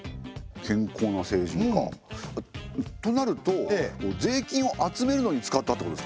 健康な成人か。となると税金を集めるのに使ったってことですかね。